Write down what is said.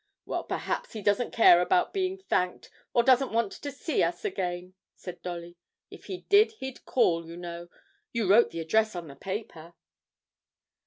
'Well, perhaps, he doesn't care about being thanked, or doesn't want to see us again,' said Dolly; 'if he did, he'd call, you know; you wrote the address on the paper.'